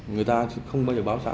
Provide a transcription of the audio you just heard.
người ta không bao giờ báo xã